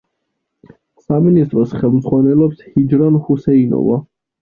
სამინისტროს ხელმძღვანელობს ჰიჯრან ჰუსეინოვა.